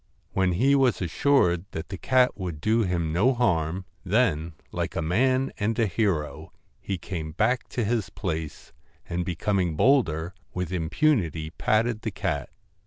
When he was assured that the cat would do him no harm, then like a man and a hero he came back to his place, and be coming bolder, with impunity patted the cat.